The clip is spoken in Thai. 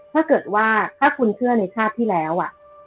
ถ้าเกิดว่าถ้าคุณเชื่อในชาติที่แล้ว